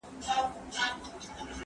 زه به کتابتون ته تللی وي!.